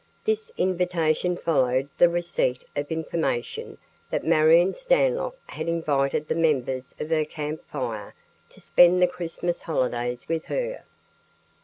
This invitation followed the receipt of information that Marion Stanlock had invited the members of her Camp Fire to spend the Christmas holidays with her.